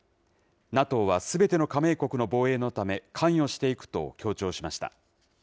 ＮＡＴＯはすべての加盟国の防衛のため関与していくと強調しました。